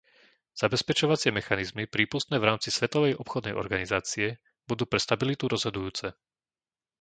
Zabezpečovacie mechanizmy prípustné v rámci Svetovej obchodnej organizácie budú pre stabilitu rozhodujúce.